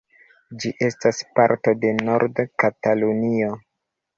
Ĝi estas parto de Nord-Katalunio.